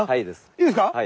いいですか？